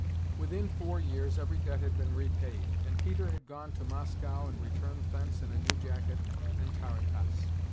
Within four years every debt had been repaid, and Peter had gone to Moscow and returned thence in a new jacket and tarantass.